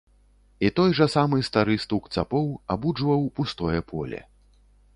І той жа самы стары стук цапоў абуджваў пустое поле.